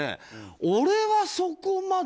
俺はそこまで。